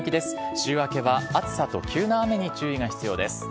週明けは暑さと急な雨に注意が必要です。